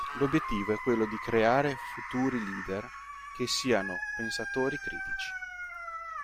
L'obiettivo è quello di creare futuri leader che siano pensatori critici.